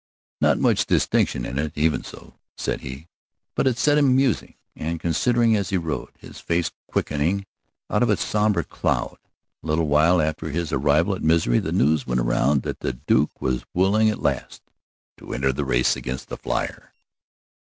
Not much distinction in it, even so, said he. But it set him musing and considering as he rode, his face quickening out of its somber cloud. A little while after his arrival at Misery the news went round that the Duke was willing at last to enter the race against the flier.